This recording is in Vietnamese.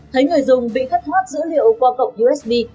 thấy người dùng bị thất thoát dữ liệu qua cổng usb